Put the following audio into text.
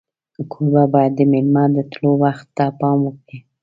کوربه باید د میلمه د تلو وخت ته پام وکړي.